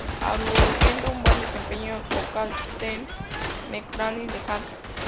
Aludiendo un buen desempeño vocal, Stephanie McGrath de Jam!